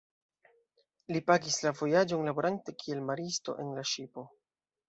Li pagis la vojaĝon laborante kiel maristo en la ŝipo.